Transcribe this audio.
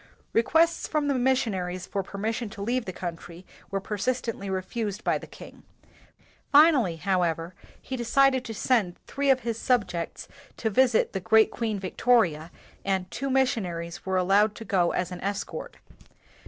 Requests from the missionaries for per mission to leave the country were persist ently refused by the king. Finally, how ever, he decided to send three of his own subjects to visit the great Queen Victoria and two missionaries were allowed to go as an escort.